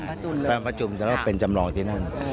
ประมาณพระจุลแล้วก็เป็นจำลองที่นั่น